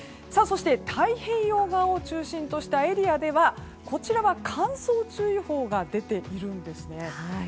そして太平洋側を中心としたエリアでは乾燥注意報が出ているんです。